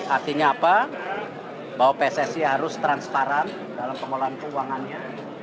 artinya apa bahwa pssi harus transparan dalam pengelolaan keuangannya